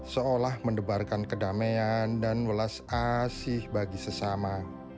seolah mendebarkan kedamaian dan welas asih bagi sesama